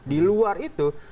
di luar itu